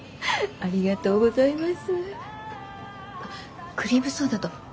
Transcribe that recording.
ありがとうございます。